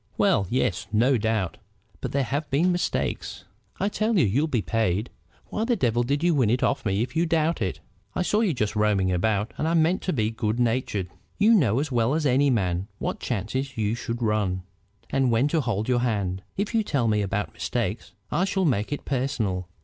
"Well, yes; no doubt. But there have been mistakes." "I tell you you'll be paid. Why the devil did you win it of me if you doubt it?" "I saw you just roaming about, and I meant to be good natured." "You know as well as any man what chances you should run, and when to hold your hand. If you tell me about mistakes, I shall make it personal."